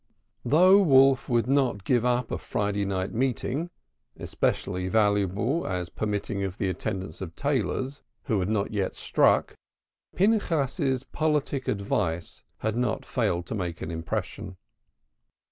Though Wolf would not give up a Friday night meeting especially valuable, as permitting of the attendance of tailors who had not yet struck Pinchas's politic advice had not failed to make an impression.